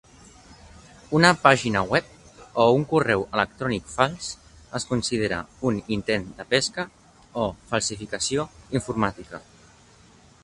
Una pàgina web o un correu electrònic fals es considera un intent de pesca o falsificació informàtica.